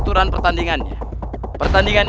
tunggu ya neng